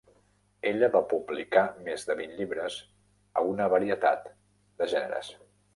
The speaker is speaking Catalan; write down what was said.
Ella va publicar més de vint llibres, a una varietat de gèneres.